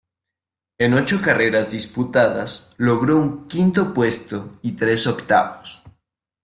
En ocho carreras disputadas, logró un quinto puesto y tres octavos.